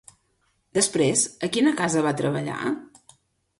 Després, a quina casa va treballar?